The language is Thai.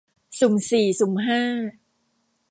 สุ่มสี่สุ่มห้า